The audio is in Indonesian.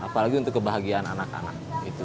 apalagi untuk kebahagiaan anak anak